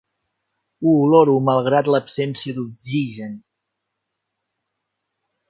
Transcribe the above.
Ho oloro malgrat l'absència d'oxigen.